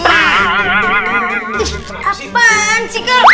apaan sih kau